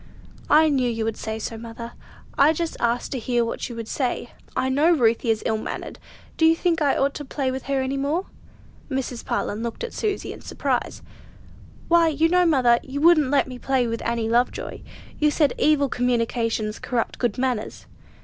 "I knew you would say so, mother. I just asked to hear what you would say. I know Ruthie is ill mannered: do you think I ought to play with her any more?" Mrs. Parlin looked at Susy in surprise. "Why, you know, mother, you wouldn't let me play with Annie Lovejoy. You said, 'evil communications corrupted good manners.'"